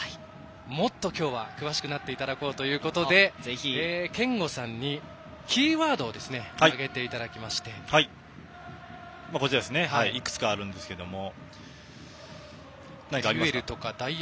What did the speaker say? もっと今日は詳しくなっていただこうということで憲剛さんにキーワードをいくつかあるんですけども。